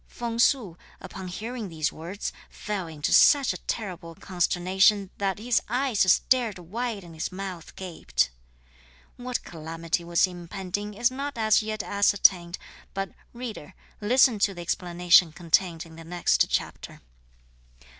Feng Su, upon hearing these words, fell into such a terrible consternation that his eyes stared wide and his mouth gaped. What calamity was impending is not as yet ascertained, but, reader, listen to the explanation contained in the next chapter.